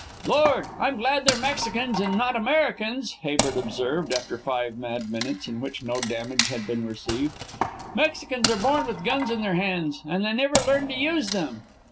"Lord, I'm glad they're Mexicans, and not Americans," Habert observed, after five mad minutes in which no damage had been received. "Mexicans are born with guns in their hands, and they never learn to use them."